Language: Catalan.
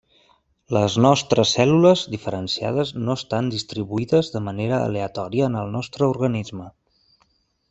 Les nostres cèl·lules diferenciades no estan distribuïdes de manera aleatòria en el nostre organisme.